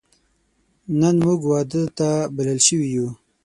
نن موږ واده ته بلل شوی یو